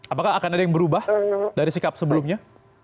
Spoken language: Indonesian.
apakah akan ada yang berubah dari sikap sebelumnya